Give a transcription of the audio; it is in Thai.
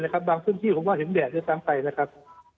ครับบางพื้นที่ผมว่าเห็นแดดก็ตามไปนะครับ